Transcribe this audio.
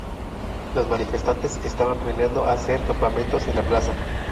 Los manifestantes estaban planeando hacer campamentos en la plaza.